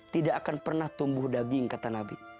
tidak akan pernah tumbuh daging kata nabi